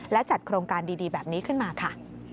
และจัดโครงการดีแบบนี้ขึ้นมาค่ะ